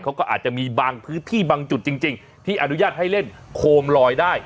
เขาก็อาจจะมีบางพื้นที่บางจุดจริงที่อนุญาตให้เล่นโคมลอยได้